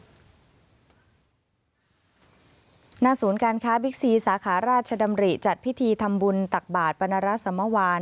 ศูนย์การค้าบิ๊กซีสาขาราชดำริจัดพิธีทำบุญตักบาทปรณรสมวาน